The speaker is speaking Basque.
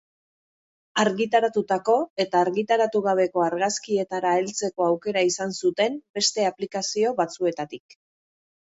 Argitaratutako eta argitaratu gabeko argazkietara heltzeko aukera izan zuten beste aplikazio batzuetatik.